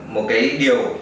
một cái điều